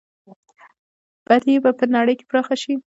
بدي به په نړۍ کې پراخه شي.